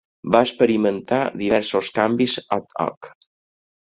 Va experimentar diversos canvis ad-hoc.